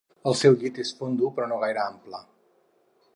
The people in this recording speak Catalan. El seu llit és fondo però no gaire ample.